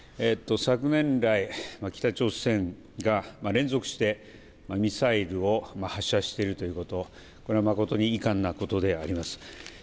昨年来、北朝鮮が連続してミサイルを発射しているということ、これは誠に遺憾なことであります。